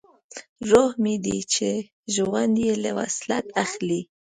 روح مې دی چې ژوند یې له وصلت اخلي